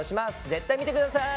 絶対見て下さい！